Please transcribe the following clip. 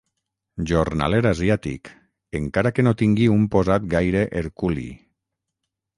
Jornaler asiàtic, encara que no tingui un posat gaire herculi.